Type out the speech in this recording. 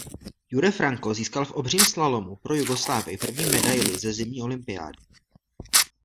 Jure Franko získal v obřím slalomu pro Jugoslávii první medaili ze zimní olympiády.